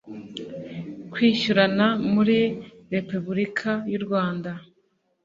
kwishyurana muri repubulika y' u rwanda